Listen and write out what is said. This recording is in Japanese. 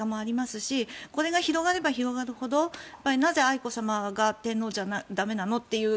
しこれが広がれば広がるほどなぜ、愛子さまが天皇は駄目なのという